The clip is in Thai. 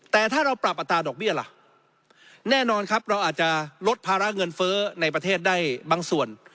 แต่ถ้าเราปรับอัตราดอกเบี้ยล่ะแน่นอนครับเราอาจจะลดภาระเงินเฟ้อในประเทศได้บางส่วน